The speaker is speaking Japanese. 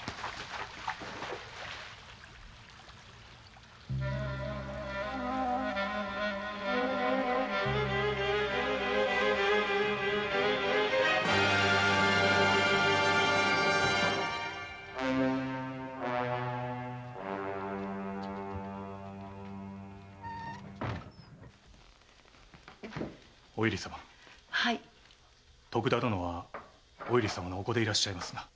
徳田殿はお由利様のお子でいらっしゃいますな？